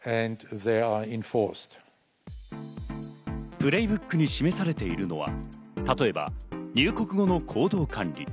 プレイブックに示されているのは例えば入国後の行動管理。